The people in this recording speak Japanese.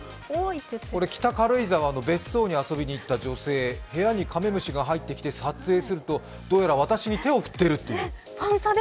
北軽井沢の別荘に遊びに行った女性、部屋にカメムシが入ってきて、撮影するとどうやら私に手を振っているという。